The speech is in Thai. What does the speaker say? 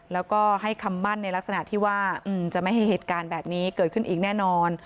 แล้วก็ให้คำมั่นในลักษณะที่ว่าจะไม่ให้เหตุการณ์แบบนี้เกิดขึ้นอีกแน่นอน